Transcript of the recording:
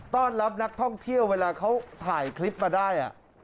ต้อนรับนักท่องเที่ยวเวลาเขาถ่ายคลิปมาได้